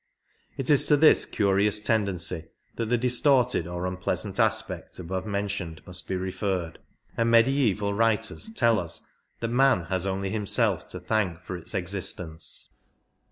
It is to this curious tendency that the distorted or unpleasant aspect above mentioned must be referred, and mediaeval writers tell us that man has only himself to thank for its existence.